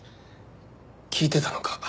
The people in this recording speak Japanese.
聞いてたのか。